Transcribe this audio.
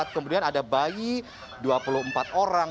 kemudian ada bayi dua puluh empat orang